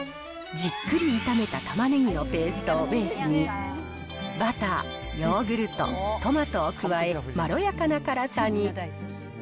じっくり炒めたタマネギのペーストをベースに、バター、ヨーグルト、トマトを加え、まろやかな辛さに。